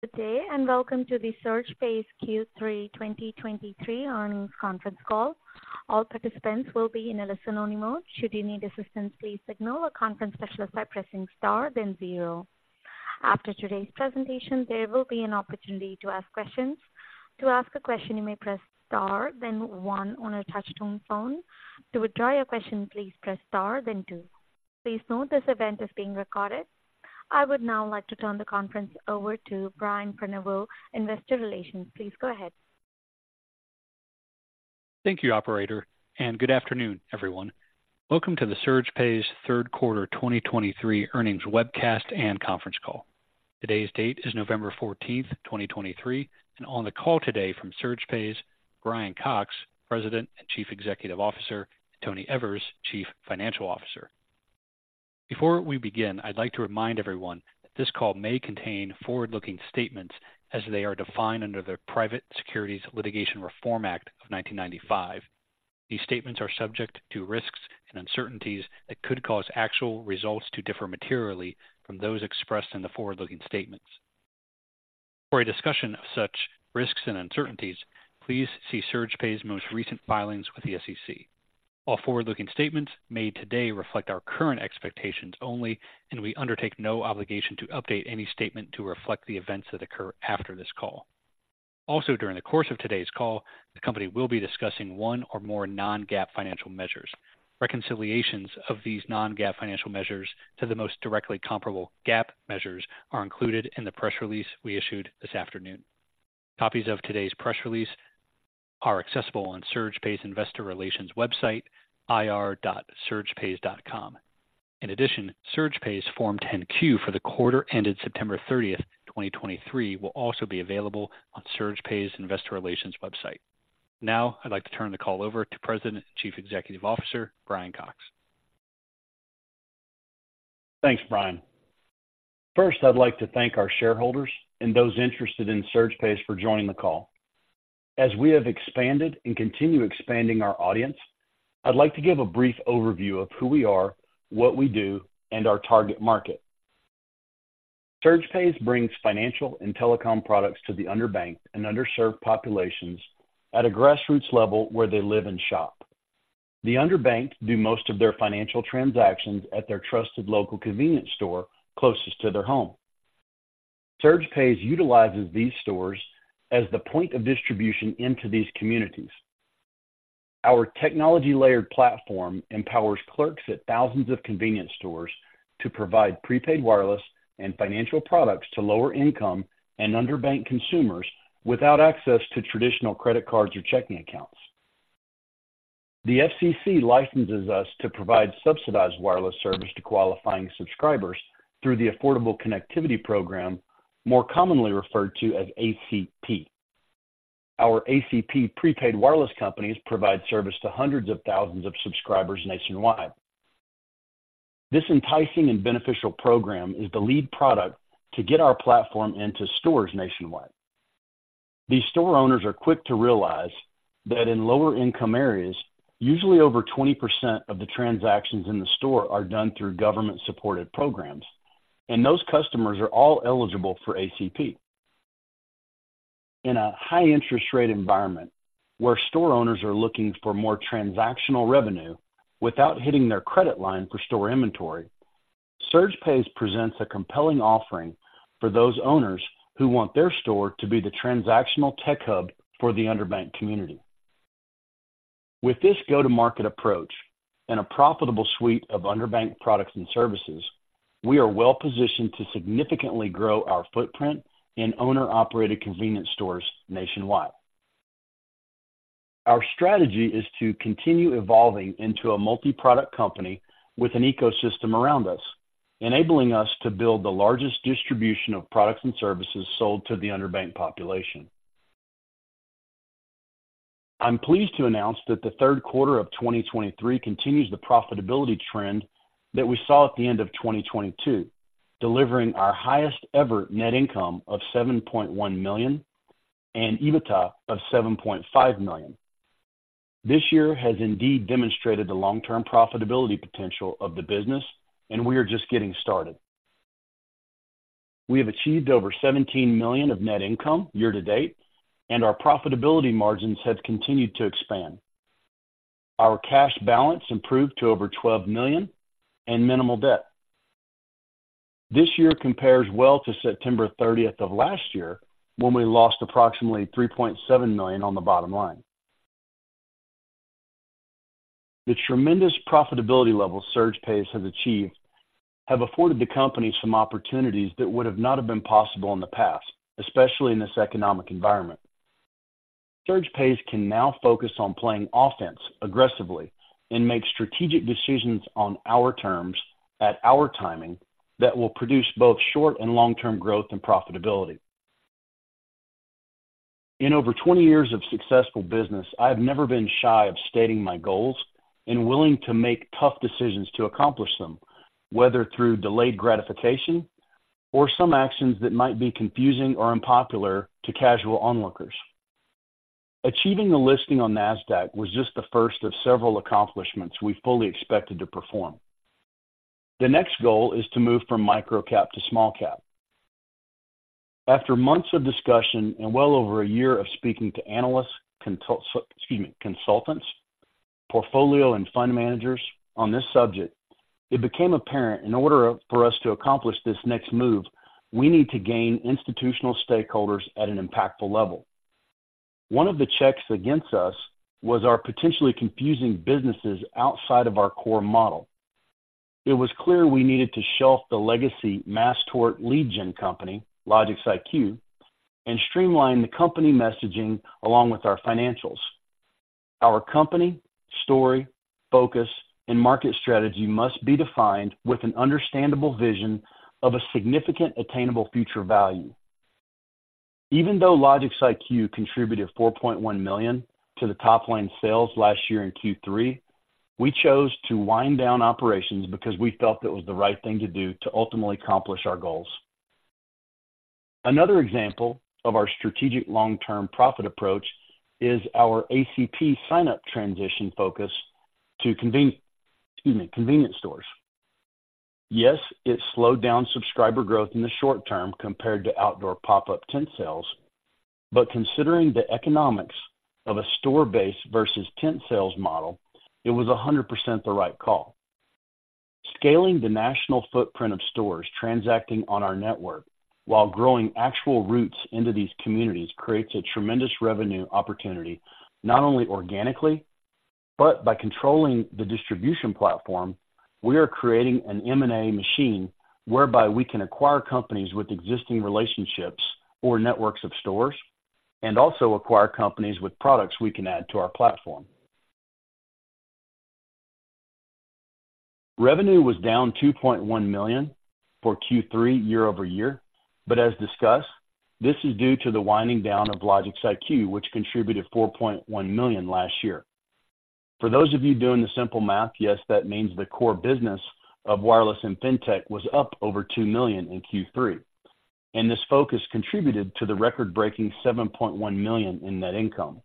Good day, and welcome to the SurgePays Q3 2023 earnings conference call. All participants will be in a listen-only mode. Should you need assistance, please signal a conference specialist by pressing Star, then 0. After today's presentation, there will be an opportunity to ask questions. To ask a question, you may press Star, then 1 on a touchtone phone. To withdraw your question, please press Star, then 2. Please note this event is being recorded. I would now like to turn the conference over to Brian Prenoveau, Investor Relations. Please go ahead. Thank you, operator, and good afternoon, everyone. Welcome to the SurgePays third quarter 2023 earnings webcast and conference call. Today's date is November 14, 2023, and on the call today from SurgePays, Brian Cox, President and Chief Executive Officer, and Tony Evers, Chief Financial Officer. Before we begin, I'd like to remind everyone that this call may contain forward-looking statements as they are defined under the Private Securities Litigation Reform Act of 1995. These statements are subject to risks and uncertainties that could cause actual results to differ materially from those expressed in the forward-looking statements. For a discussion of such risks and uncertainties, please see SurgePays' most recent filings with the SEC. All forward-looking statements made today reflect our current expectations only, and we undertake no obligation to update any statement to reflect the events that occur after this call. Also, during the course of today's call, the company will be discussing one or more non-GAAP financial measures. Reconciliations of these non-GAAP financial measures to the most directly comparable GAAP measures are included in the press release we issued this afternoon. Copies of today's press release are accessible on SurgePays' Investor Relations website, ir.surgepays.com. In addition, SurgePays' Form 10-Q for the quarter ended September 30, 2023, will also be available on SurgePays' Investor Relations website. Now, I'd like to turn the call over to President and Chief Executive Officer, Brian Cox. Thanks, Brian. First, I'd like to thank our shareholders and those interested in SurgePays for joining the call. As we have expanded and continue expanding our audience, I'd like to give a brief overview of who we are, what we do, and our target market. SurgePays brings financial and telecom products to the underbanked and underserved populations at a grassroots level where they live and shop. The underbanked do most of their financial transactions at their trusted local convenience store closest to their home. SurgePays utilizes these stores as the point of distribution into these communities. Our technology-layered platform empowers clerks at thousands of convenience stores to provide prepaid wireless and financial products to lower-income and underbanked consumers without access to traditional credit cards or checking accounts. The FCC licenses us to provide subsidized wireless service to qualifying subscribers through the Affordable Connectivity Program, more commonly referred to as ACP. Our ACP prepaid wireless companies provide service to hundreds of thousands of subscribers nationwide. This enticing and beneficial program is the lead product to get our platform into stores nationwide. These store owners are quick to realize that in lower-income areas, usually over 20% of the transactions in the store are done through government-supported programs, and those customers are all eligible for ACP. In a high interest rate environment, where store owners are looking for more transactional revenue without hitting their credit line for store inventory, SurgePays presents a compelling offering for those owners who want their store to be the transactional tech hub for the underbanked community. With this go-to-market approach and a profitable suite of underbanked products and services, we are well positioned to significantly grow our footprint in owner-operated convenience stores nationwide. Our strategy is to continue evolving into a multi-product company with an ecosystem around us, enabling us to build the largest distribution of products and services sold to the underbanked population. I'm pleased to announce that the third quarter of 2023 continues the profitability trend that we saw at the end of 2022, delivering our highest-ever net income of $7.1 million and EBITDA of $7.5 million. This year has indeed demonstrated the long-term profitability potential of the business, and we are just getting started. We have achieved over $17 million of net income year to date, and our profitability margins have continued to expand. Our cash balance improved to over $12 million and minimal debt. This year compares well to September 30th of last year, when we lost approximately $3.7 million on the bottom line. The tremendous profitability levels SurgePays has achieved have afforded the company some opportunities that would have not have been possible in the past, especially in this economic environment. SurgePays can now focus on playing offense aggressively and make strategic decisions on our terms, at our timing, that will produce both short- and long-term growth and profitability. In over 20 years of successful business, I have never been shy of stating my goals and willing to make tough decisions to accomplish them, whether through delayed gratification or some actions that might be confusing or unpopular to casual onlookers... achieving the listing on NASDAQ was just the first of several accomplishments we fully expected to perform. The next goal is to move from micro-cap to small cap. After months of discussion and well over a year of speaking to analysts, consultants, portfolio and fund managers on this subject, it became apparent in order for us to accomplish this next move, we need to gain institutional stakeholders at an impactful level. One of the checks against us was our potentially confusing businesses outside of our core model. It was clear we needed to shelf the legacy mass tort lead gen company, LogicsIQ, and streamline the company messaging along with our financials. Our company story, focus, and market strategy must be defined with an understandable vision of a significant attainable future value. Even though LogicsIQ contributed $4.1 million to the top-line sales last year in Q3, we chose to wind down operations because we felt it was the right thing to do to ultimately accomplish our goals. Another example of our strategic long-term profit approach is our ACP sign-up transition focus to convenience stores. Yes, it slowed down subscriber growth in the short term compared to outdoor pop-up tent sales, but considering the economics of a store base versus tent sales model, it was 100% the right call. Scaling the national footprint of stores transacting on our network while growing actual routes into these communities creates a tremendous revenue opportunity, not only organically, but by controlling the distribution platform, we are creating an M&A machine whereby we can acquire companies with existing relationships or networks of stores and also acquire companies with products we can add to our platform. Revenue was down $2.1 million for Q3 year-over-year, but as discussed, this is due to the winding down of LogicsIQ, which contributed $4.1 million last year. For those of you doing the simple math, yes, that means the core business of wireless and Fintech was up over $2 million in Q3, and this focus contributed to the record-breaking $7.1 million in net income.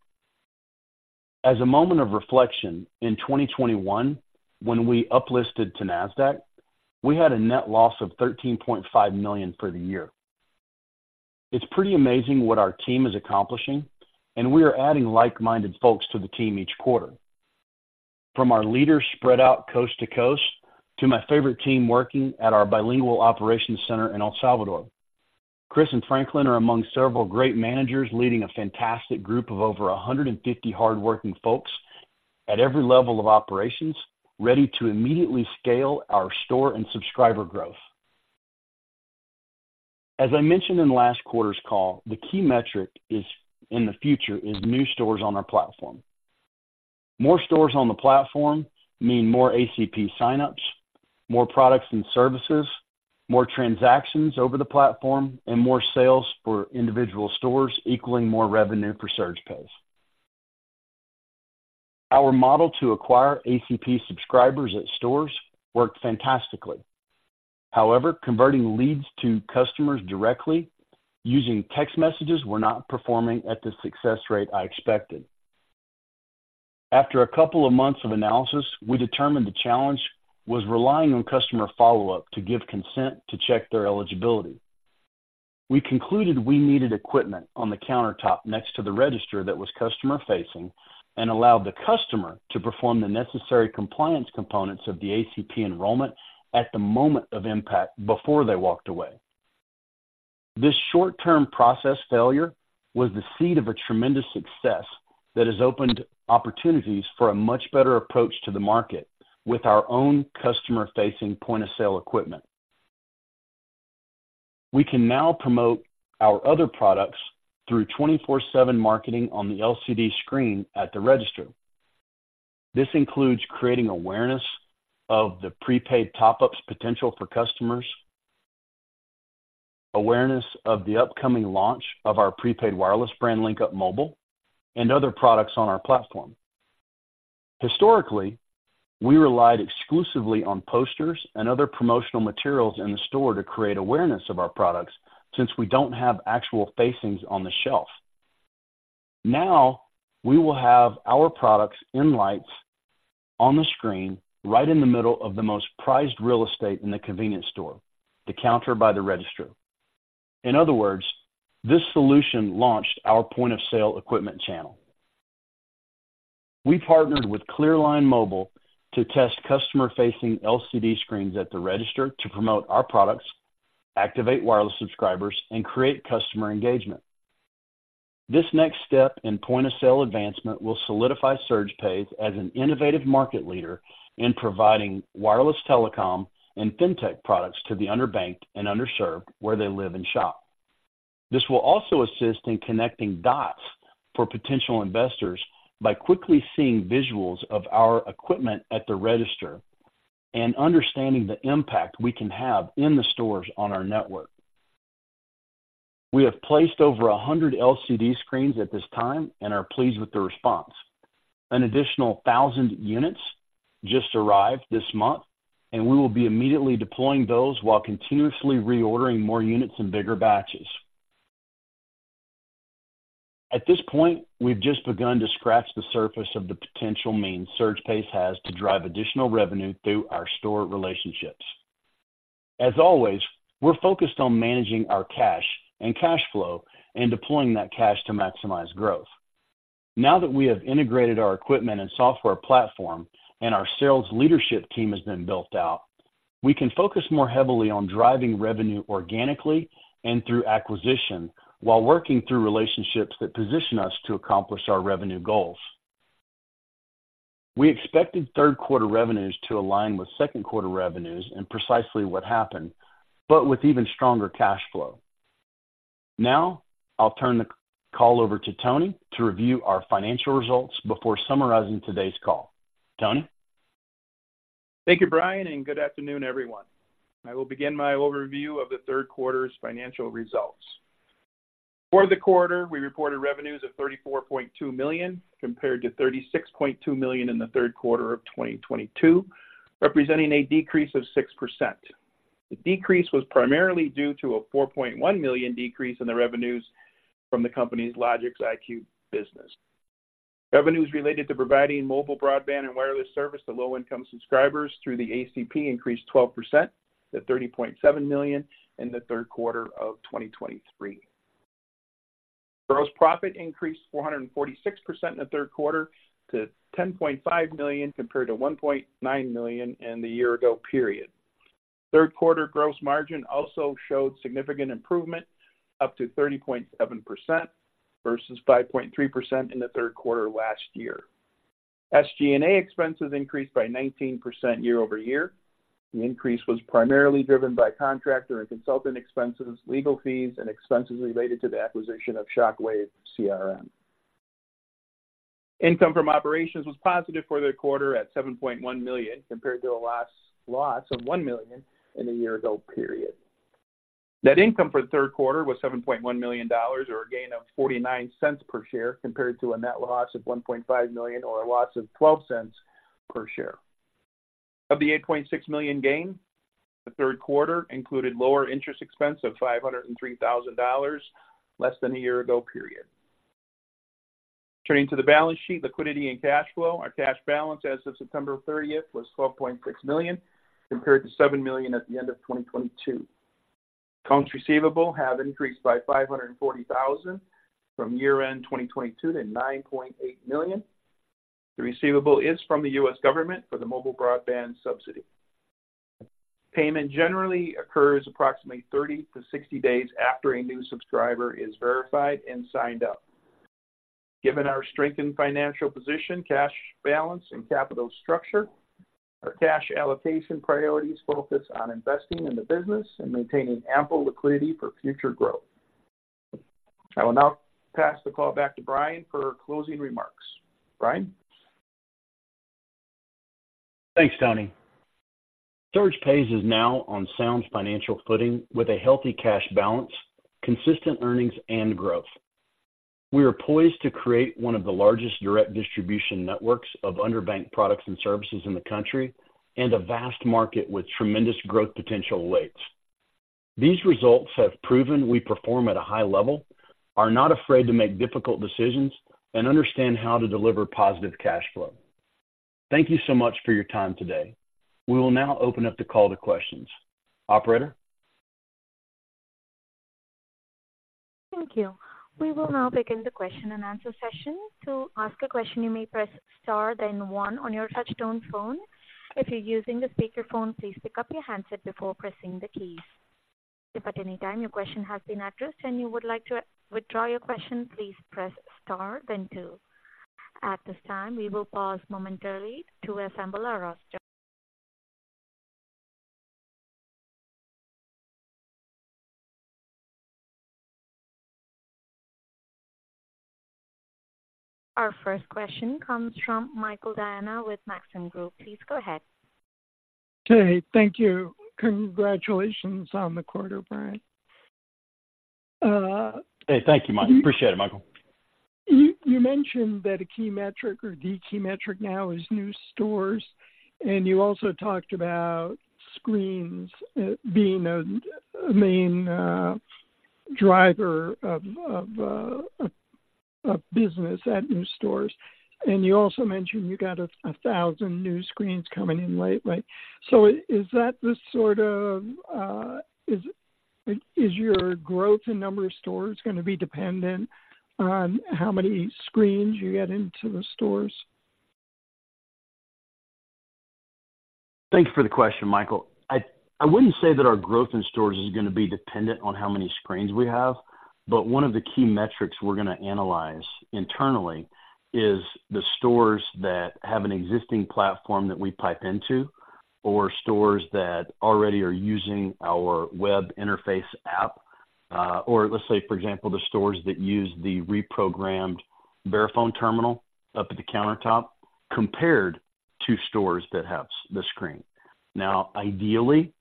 As a moment of reflection, in 2021, when we uplisted to NASDAQ, we had a net loss of $13.5 million for the year. It's pretty amazing what our team is accomplishing, and we are adding like-minded folks to the team each quarter. From our leaders spread out coast to coast, to my favorite team working at our bilingual operations center in El Salvador. Chris and Franklin are among several great managers leading a fantastic group of over 150 hardworking folks at every level of operations, ready to immediately scale our store and subscriber growth. As I mentioned in last quarter's call, the key metric is, in the future, is new stores on our platform. More stores on the platform mean more ACP sign-ups, more products and services, more transactions over the platform, and more sales for individual stores, equaling more revenue for SurgePays. Our model to acquire ACP subscribers at stores worked fantastically. However, converting leads to customers directly using text messages were not performing at the success rate I expected. After a couple of months of analysis, we determined the challenge was relying on customer follow-up to give consent to check their eligibility. We concluded we needed equipment on the countertop next to the register that was customer-facing and allowed the customer to perform the necessary compliance components of the ACP enrollment at the moment of impact before they walked away. This short-term process failure was the seed of a tremendous success that has opened opportunities for a much better approach to the market with our own customer-facing point-of-sale equipment. We can now promote our other products through 24/7 marketing on the LCD screen at the register. This includes creating awareness of the prepaid top-ups potential for customers, awareness of the upcoming launch of our prepaid wireless brand, LinkUp Mobile, and other products on our platform. Historically, we relied exclusively on posters and other promotional materials in the store to create awareness of our products, since we don't have actual facings on the shelf. Now, we will have our products in lights on the screen, right in the middle of the most prized real estate in the convenience store, the counter by the register. In other words, this solution launched our point-of-sale equipment channel. We partnered with ClearLine Mobile to test customer-facing LCD screens at the register to promote our products, activate wireless subscribers, and create customer engagement. This next step in point-of-sale advancement will solidify SurgePays as an innovative market leader in providing wireless telecom and Fintech products to the underbanked and underserved where they live and shop. This will also assist in connecting dots for potential investors by quickly seeing visuals of our equipment at the register and understanding the impact we can have in the stores on our network. We have placed over 100 LCD screens at this time and are pleased with the response. An additional 1,000 units just arrived this month, and we will be immediately deploying those while continuously reordering more units in bigger batches. At this point, we've just begun to scratch the surface of the potential means SurgePays has to drive additional revenue through our store relationships. As always, we're focused on managing our cash and cash flow and deploying that cash to maximize growth. Now that we have integrated our equipment and software platform and our sales leadership team has been built out, we can focus more heavily on driving revenue organically and through acquisition, while working through relationships that position us to accomplish our revenue goals. We expected third quarter revenues to align with second quarter revenues and precisely what happened, but with even stronger cash flow. Now, I'll turn the call over to Tony to review our financial results before summarizing today's call. Tony? Thank you, Brian, and good afternoon, everyone. I will begin my overview of the third quarter's financial results. For the quarter, we reported revenues of $34.2 million, compared to $36.2 million in the third quarter of 2022, representing a decrease of 6%. The decrease was primarily due to a $4.1 million decrease in the revenues from the company's LogicsIQ business. Revenues related to providing mobile broadband and wireless service to low-income subscribers through the ACP increased 12% to $30.7 million in the third quarter of 2023. Gross profit increased 446% in the third quarter to $10.5 million, compared to $1.9 million in the year ago period. Third quarter gross margin also showed significant improvement, up to 30.7% versus 5.3% in the third quarter last year. SG&A expenses increased by 19% year-over-year. The increase was primarily driven by contractor and consultant expenses, legal fees, and expenses related to the acquisition of ShockWave CRM. Income from operations was positive for the quarter at $7.1 million, compared to the last loss of $1 million in the year ago period. Net income for the third quarter was $7.1 million, or a gain of $0.49 per share, compared to a net loss of $1.5 million, or a loss of $0.12 per share. Of the $8.6 million gain, the third quarter included lower interest expense of $503,000 less than a year ago period. Turning to the balance sheet, liquidity, and cash flow, our cash balance as of September 30 was $12.6 million, compared to $7 million at the end of 2022. Accounts receivable have increased by $540,000 from year-end 2022 to $9.8 million. The receivable is from the U.S. government for the mobile broadband subsidy. Payment generally occurs approximately 30-60 days after a new subscriber is verified and signed up. Given our strengthened financial position, cash balance, and capital structure, our cash allocation priorities focus on investing in the business and maintaining ample liquidity for future growth. I will now pass the call back to Brian for closing remarks. Brian? Thanks, Tony. SurgePays is now on sound financial footing with a healthy cash balance, consistent earnings, and growth. We are poised to create one of the largest direct distribution networks of underbanked products and services in the country and a vast market with tremendous growth potential awaits. These results have proven we perform at a high level, are not afraid to make difficult decisions, and understand how to deliver positive cash flow. Thank you so much for your time today. We will now open up the call to questions. Operator? Thank you. We will now begin the question and answer session. To ask a question, you may press star, then one on your touchtone phone. If you're using a speakerphone, please pick up your handset before pressing the keys. If at any time your question has been addressed and you would like to withdraw your question, please press star then two. At this time, we will pause momentarily to assemble our roster. Our first question comes from Michael Diana with Maxim Group. Please go ahead. Okay, thank you. Congratulations on the quarter, Brian. Hey, thank you, Michael. Appreciate it, Michael. You mentioned that a key metric or the key metric now is new stores, and you also talked about screens being a main driver of business at new stores. And you also mentioned you got 1,000 new screens coming in lately. So is that the sort of your growth in number of stores going to be dependent on how many screens you get into the stores? Thank you for the question, Michael. I, I wouldn't say that our growth in stores is going to be dependent on how many screens we have, but one of the key metrics we're going to analyze internally is the stores that have an existing platform that we pipe into, or stores that already are using our web interface app. Or let's say, for example, the stores that use the reprogrammed Verifone terminal up at the countertop compared to stores that have the screen. Now, ideally,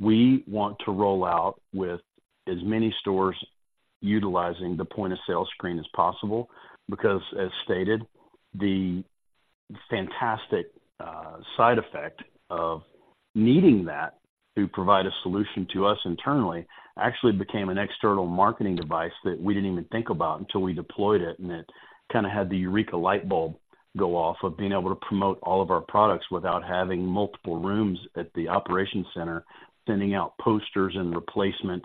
we want to roll out with as many stores utilizing the point of sale screen as possible, because, as stated, the fantastic side effect of needing that to provide a solution to us internally actually became an external marketing device that we didn't even think about until we deployed it. And it kind of had the eureka light bulb go off of being able to promote all of our products without having multiple rooms at the operations center, sending out posters and replacement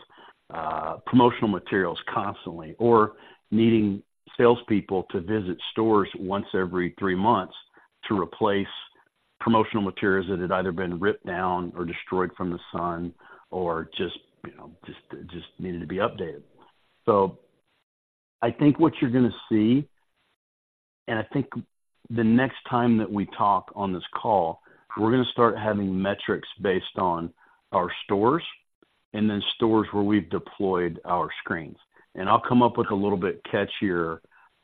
promotional materials constantly, or needing salespeople to visit stores once every three months to replace promotional materials that had either been ripped down or destroyed from the sun or just, you know, just, just needed to be updated. So I think what you're going to see, and I think the next time that we talk on this call, we're going to start having metrics based on our stores and then stores where we've deployed our screens. And I'll come up with a little bit catchier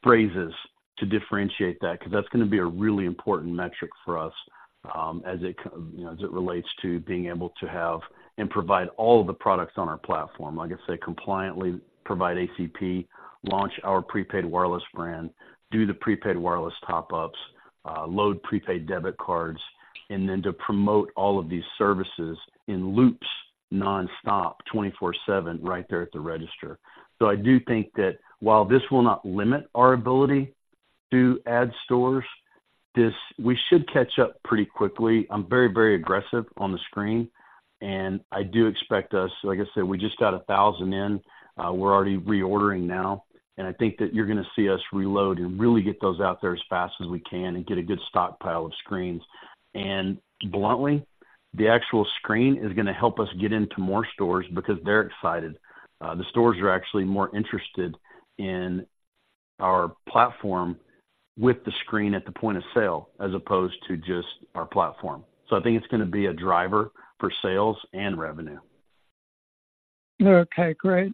phrases to differentiate that, because that's going to be a really important metric for us, as it, you know, as it relates to being able to have and provide all of the products on our platform. Like I say, compliantly provide ACP, launch our prepaid wireless brand, do the prepaid wireless top ups, load prepaid debit cards, and then to promote all of these services in loops nonstop, 24/7, right there at the register. So I do think that while this will not limit our ability to add stores, we should catch up pretty quickly. I'm very, very aggressive on the screen, and I do expect us, like I said, we just got 1,000 in, we're already reordering now. I think that you're going to see us reload and really get those out there as fast as we can and get a good stockpile of screens. Bluntly, the actual screen is going to help us get into more stores because they're excited. The stores are actually more interested in our platform with the screen at the point of sale as opposed to just our platform. I think it's going to be a driver for sales and revenue. Okay, great.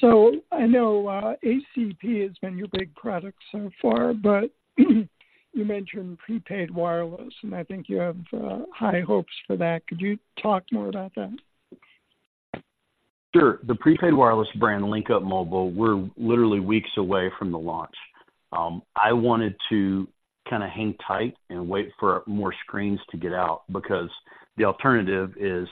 So I know, ACP has been your big product so far, but you mentioned prepaid wireless, and I think you have high hopes for that. Could you talk more about that? Sure. The prepaid wireless brand, LinkUp Mobile, we're literally weeks away from the launch. I wanted to kind of hang tight and wait for more screens to get out, because the alternative is,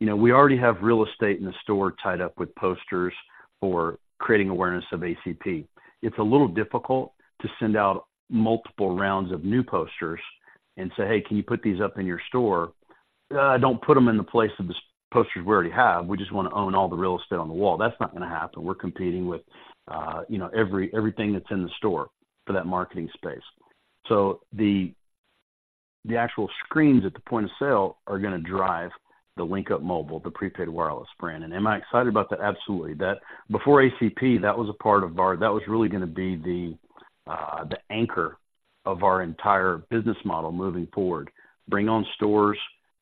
you know, we already have real estate in the store tied up with posters for creating awareness of ACP. It's a little difficult to send out multiple rounds of new posters and say, "Hey, can you put these up in your store? Don't put them in the place of the posters we already have. We just want to own all the real estate on the wall." That's not going to happen. We're competing with, you know, everything that's in the store for that marketing space. So the actual screens at the point of sale are going to drive the LinkUp Mobile, the prepaid wireless brand. And am I excited about that? Absolutely. Before ACP, that was a part of our... That was really going to be the, the anchor of our entire business model moving forward. Bring on stores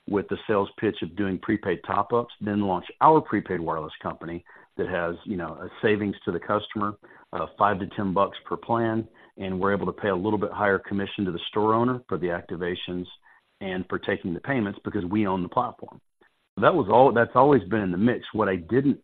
with the sales pitch of doing prepaid top ups, then launch our prepaid wireless company that has, you know, a savings to the customer, $5-$10 per plan, and we're able to pay a little bit higher commission to the store owner for the activations and for taking the payments because we own the platform. That's always been in the mix. What I didn't,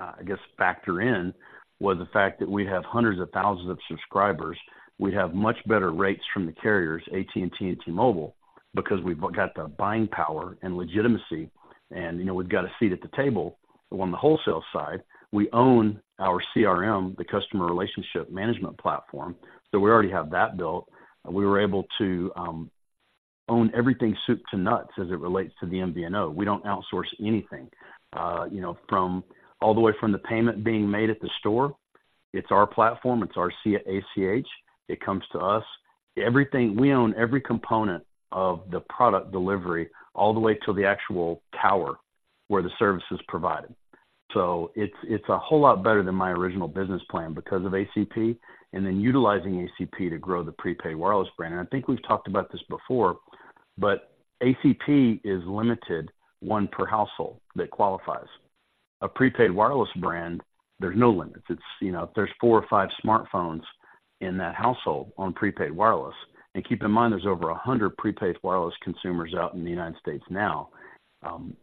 I guess, factor in was the fact that we have hundreds of thousands of subscribers. We have much better rates from the carriers, AT&T and T-Mobile, because we've got the buying power and legitimacy, and, you know, we've got a seat at the table. On the wholesale side, we own our CRM, the customer relationship management platform, so we already have that built. We were able to own everything, soup to nuts, as it relates to the MVNO. We don't outsource anything, you know, from all the way from the payment being made at the store. It's our platform, it's our ACH. It comes to us. Everything, we own every component of the product delivery all the way to the actual tower where the service is provided. So it's a whole lot better than my original business plan because of ACP and then utilizing ACP to grow the prepaid wireless brand. And I think we've talked about this before, but ACP is limited, one per household that qualifies. A prepaid wireless brand, there's no limits. It's, you know, if there's four or five smartphones in that household on prepaid wireless, and keep in mind, there's over 100 prepaid wireless consumers out in the United States now,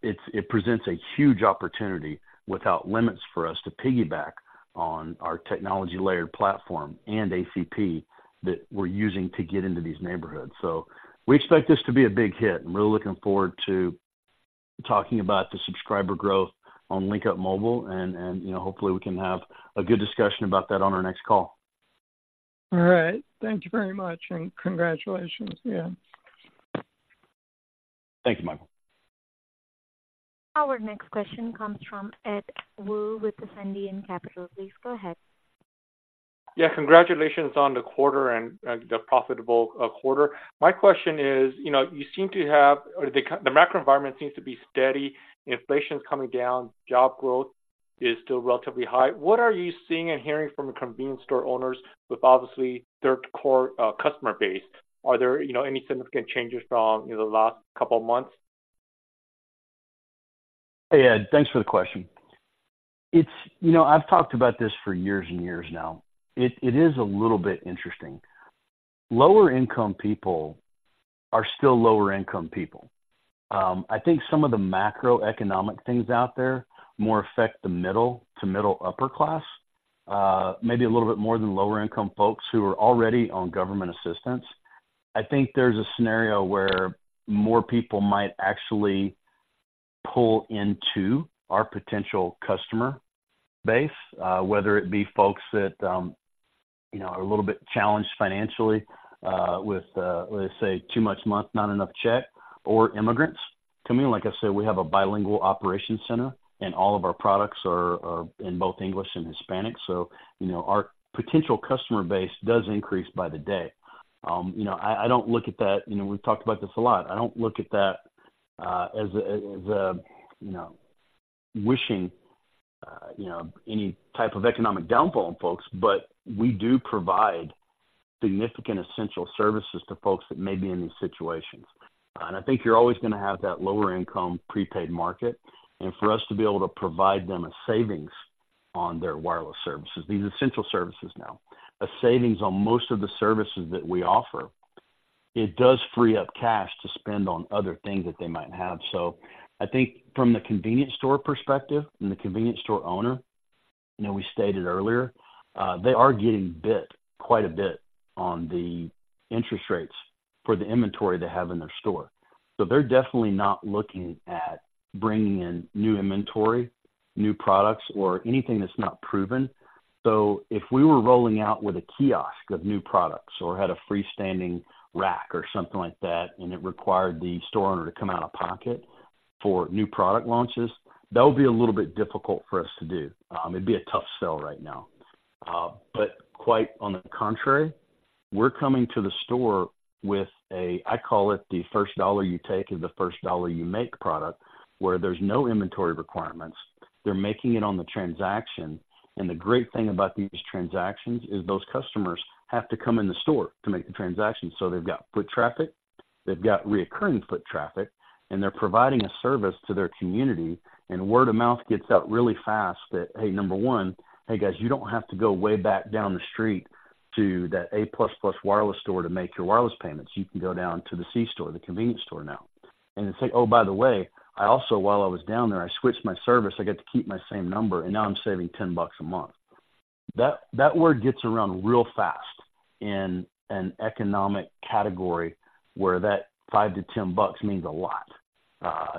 it presents a huge opportunity without limits for us to piggyback on our technology layered platform and ACP that we're using to get into these neighborhoods. So we expect this to be a big hit, and we're looking forward to talking about the subscriber growth on LinkUp Mobile, and, you know, hopefully, we can have a good discussion about that on our next call. All right. Thank you very much, and congratulations. Yeah. Thank you, Michael. Our next question comes from Ed Woo with Ascendiant Capital. Please go ahead. Yeah, congratulations on the quarter and the profitable quarter. My question is, you know, the macro environment seems to be steady, inflation is coming down, job growth is still relatively high. What are you seeing and hearing from the convenience store owners with obviously their core customer base? Are there, you know, any significant changes from, you know, the last couple of months? Hey, Ed, thanks for the question. It's, you know, I've talked about this for years and years now. It is a little bit interesting. Lower-income people are still lower-income people. I think some of the macroeconomic things out there more affect the middle to middle upper class, maybe a little bit more than lower-income folks who are already on government assistance. I think there's a scenario where more people might actually pull into our potential customer base, whether it be folks that, you know, are a little bit challenged financially, with, let's say, too much month, not enough check, or immigrants coming in. Like I said, we have a bilingual operations center, and all of our products are in both English and Hispanic. So, you know, our potential customer base does increase by the day. You know, I don't look at that. You know, we've talked about this a lot. I don't look at that as a you know, wishing you know, any type of economic downfall on folks, but we do provide significant essential services to folks that may be in these situations. And I think you're always going to have that lower income prepaid market, and for us to be able to provide them a savings on their wireless services, these essential services now, a savings on most of the services that we offer, it does free up cash to spend on other things that they might have. So I think from the convenience store perspective and the convenience store owner, you know, we stated earlier, they are getting hit quite a bit on the interest rates for the inventory they have in their store. So they're definitely not looking at bringing in new inventory, new products, or anything that's not proven. So if we were rolling out with a kiosk of new products or had a freestanding rack or something like that, and it required the store owner to come out of pocket for new product launches, that would be a little bit difficult for us to do. It'd be a tough sell right now. But quite on the contrary, we're coming to the store with a, I call it the first dollar you take is the first dollar you make product, where there's no inventory requirements. They're making it on the transaction. And the great thing about these transactions is those customers have to come in the store to make the transaction. So they've got foot traffic, they've got recurring foot traffic, and they're providing a service to their community. And word of mouth gets out really fast that, hey, number one, "Hey, guys, you don't have to go way back down the street to that A Plus Wireless store to make your wireless payments. You can go down to the C store, the convenience store now." And it's like, "Oh, by the way, I also, while I was down there, I switched my service. I got to keep my same number, and now I'm saving $10 a month." That, that word gets around real fast in an economic category where that $5-$10 means a lot.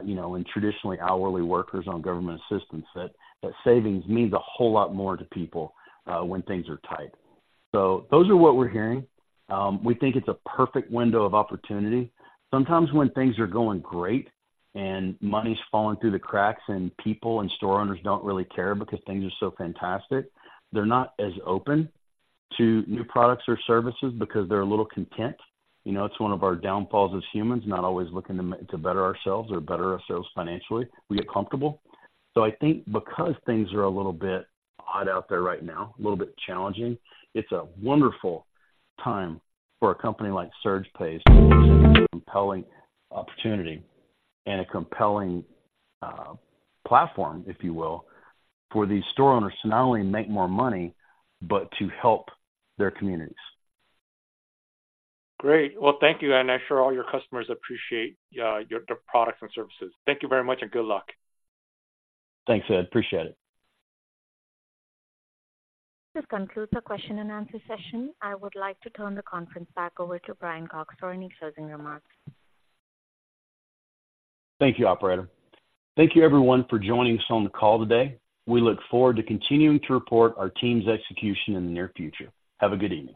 You know, in traditionally hourly workers on government assistance, that, that savings means a whole lot more to people, when things are tight. So those are what we're hearing. We think it's a perfect window of opportunity. Sometimes when things are going great and money's falling through the cracks, and people and store owners don't really care because things are so fantastic, they're not as open to new products or services because they're a little content. You know, it's one of our downfalls as humans, not always looking to, to better ourselves or better ourselves financially. We get comfortable. So I think because things are a little bit odd out there right now, a little bit challenging, it's a wonderful time for a company like SurgePays, a compelling opportunity and a compelling platform, if you will, for these store owners to not only make more money, but to help their communities. Great. Well, thank you, and I'm sure all your customers appreciate their products and services. Thank you very much, and good luck. Thanks, Ed. Appreciate it. This concludes the question and answer session. I would like to turn the conference back over to Brian Cox for any closing remarks. Thank you, operator. Thank you, everyone, for joining us on the call today. We look forward to continuing to report our team's execution in the near future. Have a good evening.